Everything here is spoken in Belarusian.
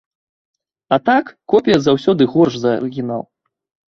А так, копія заўсёды горш за арыгінал.